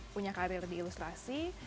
punya karir di ilustrasi